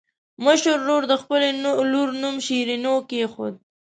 مشر ورور د خپلې لور نوم شیرینو کېښود.